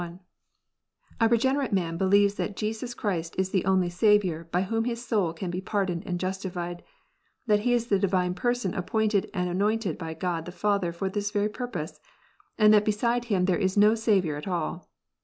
L A regenerate man believes that Jesus Christ is the only Saviour by whom his soul can be pardoned and justified, that ^He is the Divine Person appointed and anointed by God Father for this very purpose, and that beside Him there is * Saviour at all.